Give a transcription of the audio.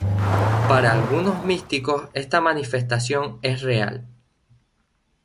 Para algunos místicos esta manifestación es real.